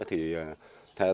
thì phải tái đàn